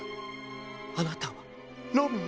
あなたはロミオ？